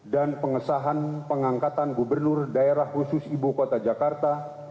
dan pengesahan pengangkatan gubernur daerah khusus ibu kota jakarta